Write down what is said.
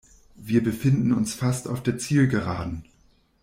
Wir befinden uns fast auf der Zielgeraden.